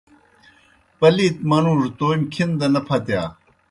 پلِیت منُوڙوْ تومیْ کھن دہ نہ پھتِیا۔